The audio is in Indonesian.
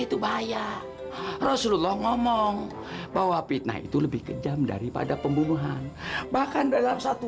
itu bahaya rasulullah ngomong bahwa fitnah itu lebih kejam daripada pembunuhan bahkan dalam satu